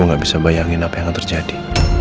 gue gak bisa bayangin apa yang terjadi